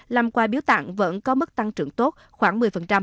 làm quà biếu tặng vẫn có mức tăng trưởng tốt khoảng một mươi